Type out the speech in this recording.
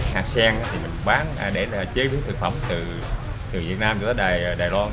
hạt sen thì mình bán để chế biến thực phẩm từ việt nam đến đài loan